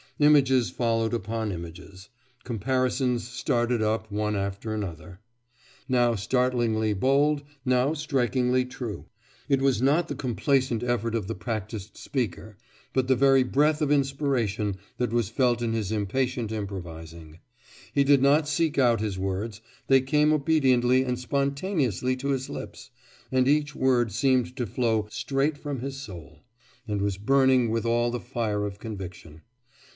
Images followed upon images; comparisons started up one after another now startlingly bold, now strikingly true. It was not the complacent effort of the practised speaker, but the very breath of inspiration that was felt in his impatient improvising. He did not seek out his words; they came obediently and spontaneously to his lips, and each word seemed to flow straight from his soul, and was burning with all the fire of conviction.